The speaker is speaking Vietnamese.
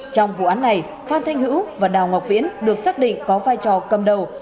trong vụ án này phan thanh hữu và đào ngọc viễn được xác định có vai trò cầm đầu